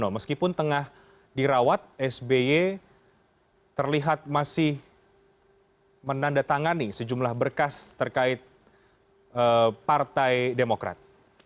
meskipun tengah dirawat sby terlihat masih menandatangani sejumlah berkas terkait partai demokrat